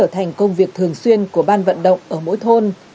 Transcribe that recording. thành công việc thường xuyên của ban vận động ở mỗi thôn